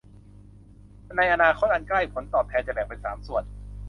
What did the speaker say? ในอนาคตอันใกล้ ผลตอบแทนจะแบ่งเป็นสามส่วน